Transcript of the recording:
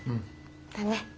だね。